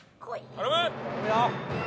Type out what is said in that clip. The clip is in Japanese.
頼むよ！